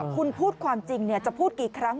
คุณพูดความจริงจะพูดกี่ครั้ง